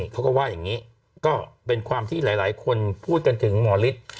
เขาก็ว่าอย่างนี้ก็เป็นความที่หลายคนพูดกันถึงหมอฤทธิ์